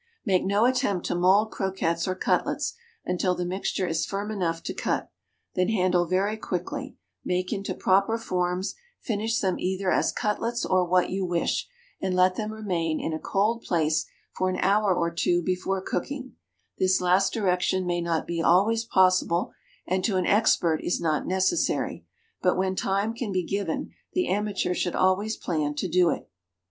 Make no attempt to mould croquettes or cutlets until the mixture is firm enough to cut; then handle very quickly, make into proper forms, finish them either as cutlets or what you wish, and let them remain in a cold place for an hour or two before cooking; this last direction may not be always possible, and to an expert is not necessary, but when time can be given the amateur should always plan to do it.